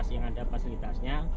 jadi ini adalah tempatnya